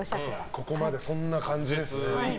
ここまでそんな感じです。